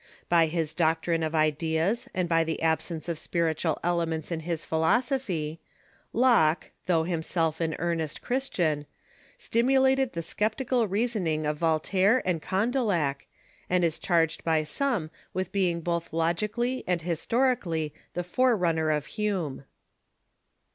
By his doctrine of ideas and by the absence ^Locke"'' ^^ spiritual elements in his philosojjhy, Locke, though himself an earnest Christian, stimulated the sceptical reasoning of Voltaire and Condillac, and is charged by some with being both logically and historically the forerunner of Hume.